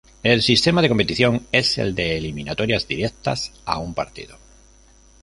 El sistema de competición es el de eliminatorias directas a un partido.